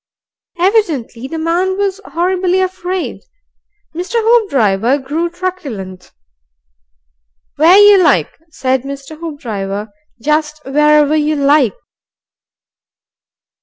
Evidently the man was horribly afraid. Mr. Hoopdriver grew truculent. "Where you like," said Mr. Hoopdriver, "jest wherever you like."